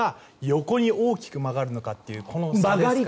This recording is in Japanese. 横に大きく曲がるのかというこの差ですね。